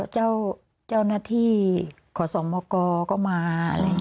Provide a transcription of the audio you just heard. เจ้าหน้าที่ขสมกก็มา